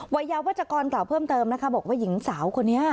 วัยยาวัชกรกล่าวเพิ่มเติมนะคะบอกว่าหญิงสาวคนนี้